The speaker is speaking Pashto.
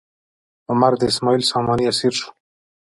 عمر د اسماعیل ساماني اسیر شو.